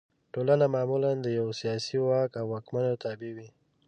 ټولنه معمولا د یوه سیاسي واک او واکمنو تابع وي.